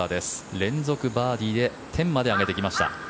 連続バーディーで１０まで上げてきました。